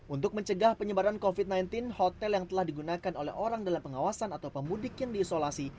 untuk mencegah penyebaran covid sembilan belas hotel yang telah digunakan oleh orang dalam pengawasan atau pemudik yang diisolasi